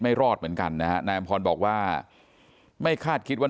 รอดเหมือนกันนะฮะนายอำพรบอกว่าไม่คาดคิดว่า